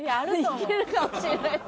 いけるかもしれないです。